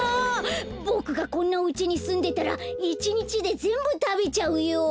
ボクがこんなおうちにすんでたらいちにちでぜんぶたべちゃうよ。